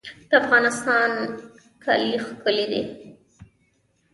د افغانستان کالي ښکلي دي